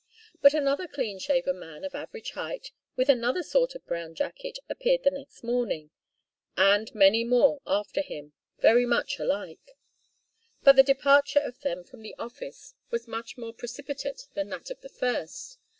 But another clean shaven man of average height with another sort of brown jacket appeared the next morning, and many more after him, very much alike. But the departure of them from the office was much more precipitate than that of the first.